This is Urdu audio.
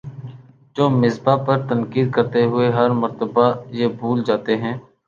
جو مصباح پر تنقید کرتے ہوئے ہر مرتبہ یہ بھول جاتے ہیں